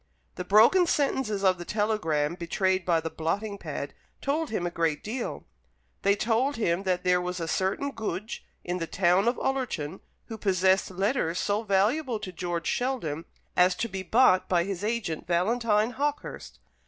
The broken sentences of the telegram betrayed by the blotting pad told him a great deal. They told him that there was a certain Goodge, in the town of Ullerton, who possessed letters so valuable to George Sheldon, as to be bought by his agent Valentine Hawkehurst.